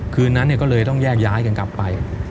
คืนนั้นก็เลยต้องแยกย้ายกันกลับไป